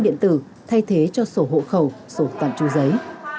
điện tử thay thế cho số hộ khẩu số tạm trú giấy